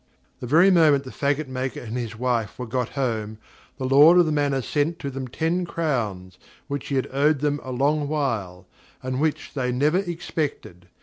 The very moment the faggot maker and his wife were got home, the lord of the manor sent them ten crowns, which he had owed them a long while, and which they never expected.